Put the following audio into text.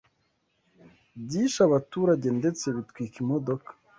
byishe abaturage ndetse bitwika imodoka